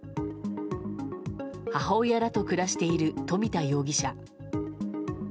母親らと暮らしている冨田容疑者。